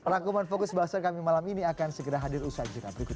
rangkuman fokus basel kami malam ini akan segera hadir usaha juga berikut ini